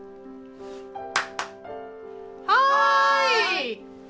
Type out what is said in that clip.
・はい！